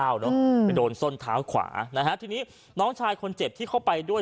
ไปโดนส้นเท้าขวานะฮะทีนี้น้องชายคนเจ็บที่เข้าไปด้วย